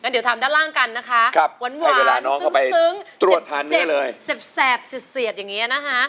เดี๋ยวถามด้านล่างกันนะคะหวานซึ้งเจ็บแสบเสียดอย่างนี้นะคะ